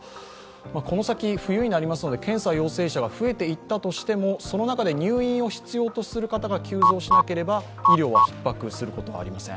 この先、冬になりますので検査陽性者が増えていったとしてもその中で入院を必要とする方が急増しなければ医療はひっ迫することはありません。